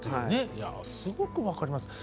いやすごく分かります。